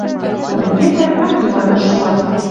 Колен кетӓт, так и адыш шуат